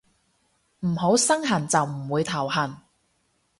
唔好身痕就唔會頭痕